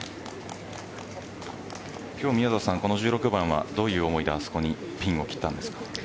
今日、１６番はどういう思いであそこにピンを切ったんですか？